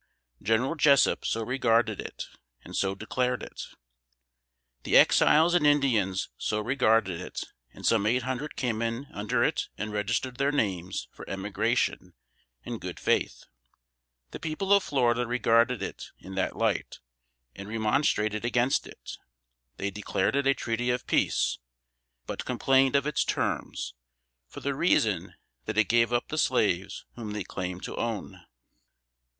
General Jessup so regarded it, and so declared it. The Exiles and Indians so regarded it, and some eight hundred came in under it and registered their names for emigration, in good faith. The people of Florida regarded it in that light, and remonstrated against it. They declared it a treaty of peace; but complained of its terms, for the reason that it gave up the slaves whom they claimed to own.